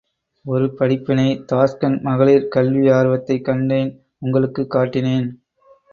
ஒரு படிப்பினை தாஷ்கண்ட் மகளிர் கல்வி ஆர்வத்தைக் கண்டேன் உங்களுக்கும் காட்டினேன்.